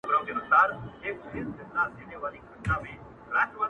باد را الوتی’ له شبِ ستان دی’